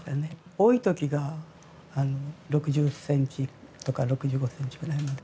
多いときが、６０センチとか６５センチぐらいまで。